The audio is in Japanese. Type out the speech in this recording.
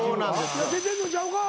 出てんのちゃうか？